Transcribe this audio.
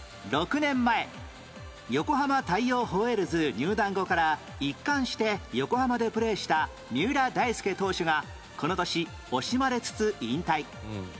６年前横浜大洋ホエールズ入団後から一貫して横浜でプレーした三浦大輔投手がこの年惜しまれつつ引退